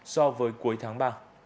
so với cuối tháng ba